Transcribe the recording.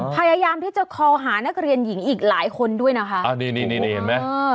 พยายามที่จะคอหานักเรียนหญิงอีกหลายคนด้วยนะคะอ่านี่นี่นี่เห็นไหมเออ